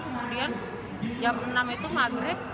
kemudian jam enam itu maghrib